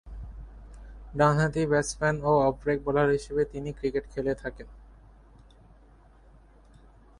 ডানহাতি ব্যাটসম্যান ও off break bowler হিসেবে তিনি ক্রিকেট খেলে থাকেন।